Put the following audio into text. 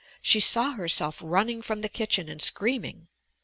She saw herself running from the kitchen and screaming.